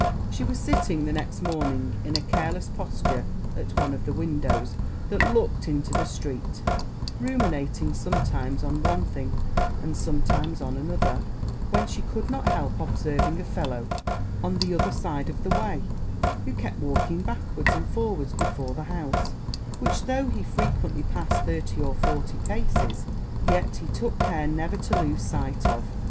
She was sitting the next morning in a careless posture at one of the windows that looked into the street, ruminating sometimes on one thing, and sometimes on another, when she could not help observing a fellow on the other side of the way, who kept walking backwards and forwards, before the house, which, though he frequently passed thirty or forty paces, yet he took care never to lose sight of.